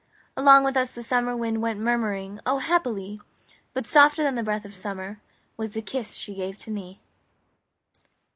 Along with us the summer wind Went murmuring O, happily! But softer than the breath of summer Was the kiss she gave to me.